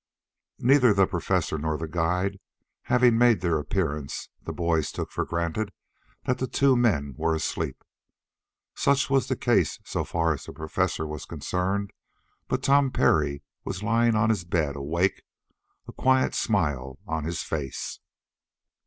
Neither the Professor nor the guide having made their appearance, the boys took for granted that the two men were asleep. Such was the case so far as the Professor was concerned, but Tom Parry was lying on his bed awake, a quiet smile on his face.